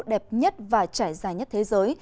đẹp nhất và trải dài nhất thế giới